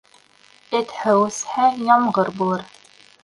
Эт һыу эсһә, ямғыр булыр.